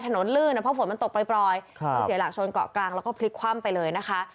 ลื่นนะเพราะฝนมันตกปล่อยก็เสียหลักชนเกาะกลางแล้วก็พลิกคว่ำไปเลยนะคะ